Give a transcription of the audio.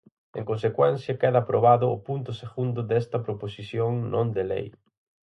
En consecuencia, queda aprobado o punto segundo desta proposición non de lei.